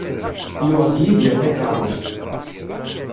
Yuɣ-d Yidir takerrust.